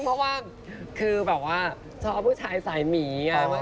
จริงเพราะว่าชอบผู้ชายสายหมี